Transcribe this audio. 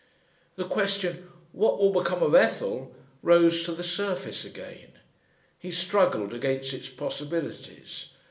The question, "What will become of Ethel?" rose to the surface again. He struggled against its possibilities.